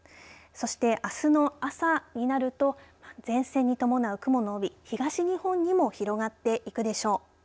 そして、あすの朝になると前線に伴う雲の帯、東日本にも広がっていくでしょう。